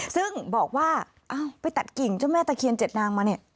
ซึ่งบอกว่าไปตัดกิ่งเจ้าแม่ตะเคียน๗นางมาเนี่ย